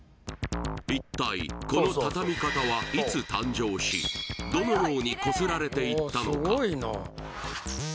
一体このたたみ方はどのようにこすられていったのか？